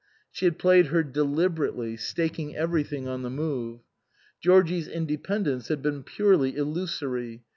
She had played her deliberately, staking every thing on the move. Georgie's independence had been purely illusory.